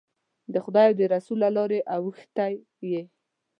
د خدای او رسول له لارې اوښتی یې.